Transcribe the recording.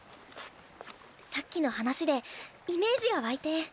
さっきの話でイメージが湧いて。